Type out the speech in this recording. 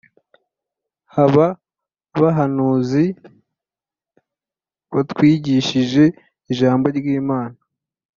haba bahanuzi batwigishije ijabo ry’imana